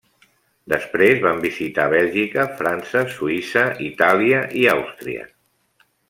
Després van visitar Bèlgica, França, Suïssa, Itàlia i Àustria.